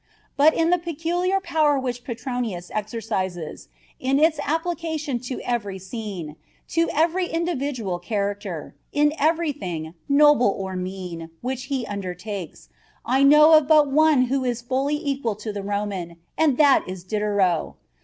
But in the peculiar power which Petronius exercises, in its application to every scene, to every individual character, in everything, noble or mean, which he undertakes, I know of but one who is fully equal to the Roman, and that is Diderot.